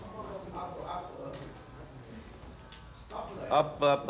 アップアップ